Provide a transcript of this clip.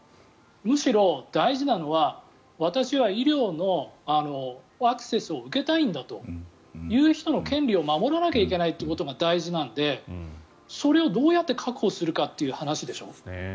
むしろ、大事なのは私は医療のアクセスを受けたいんだという人の権利を守らなきゃいけないということが大事なのでそれをどうやって確保するかという話でしょ。